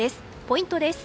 ポイントです